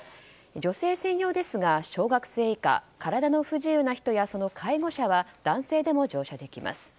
女性専用ですが小学生以下、体の不自由な人やその介護者は男性でも乗車できます。